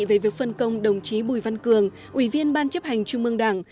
về việc phân công đồng chí bùi văn cường ủy viên ban chấp hành trung mương đảng